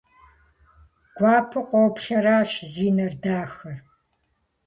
Гуапэу къоплъращ зи нэр дахэр.